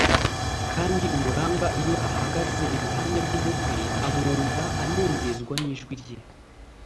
kandi umuranga iyo ahagaze iruhande rw’umukwe amwumva anezezwa n’ijwi rye.”